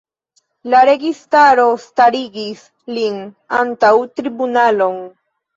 La registaro starigis lin antaŭ tribunalon.